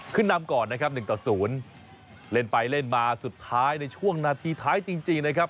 นำก่อนนะครับ๑ต่อ๐เล่นไปเล่นมาสุดท้ายในช่วงนาทีท้ายจริงนะครับ